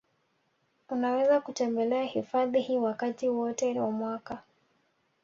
Unaweza kutembelea hifadhi hii wakati wote wa mwaka